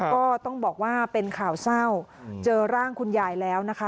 ก็ต้องบอกว่าเป็นข่าวเศร้าเจอร่างคุณยายแล้วนะคะ